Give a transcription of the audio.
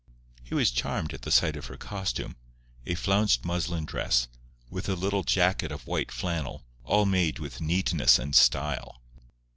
He was charmed at the sight of her costume—a flounced muslin dress, with a little jacket of white flannel, all made with neatness and style.